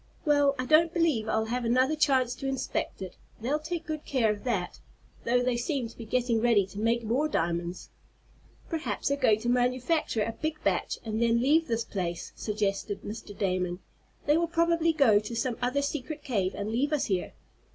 Well, I don't believe I'll have another chance to inspect it. They'll take good care of that, though they seem to be getting ready to make more diamonds." "Perhaps they're going to manufacture a big batch, and then leave this place," suggested Mr. Damon. "They will probably go to some other secret cave, and leave us here."